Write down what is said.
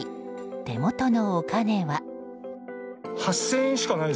手元のお金は。